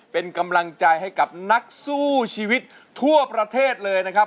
เป็นกำลังใจให้กับนักสู้ชีวิตทั่วประเทศเลยนะครับ